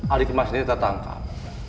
adik mas ini tertangkap